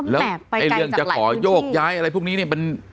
แล้วเรื่องจะขอโยกย้ายอะไรพวกนี้เนี่ย